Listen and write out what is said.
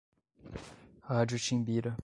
Rádio Timbira